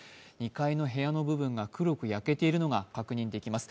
２階の部屋の部分が黒く焼けているのが確認できます。